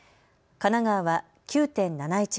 神奈川は９．７１％。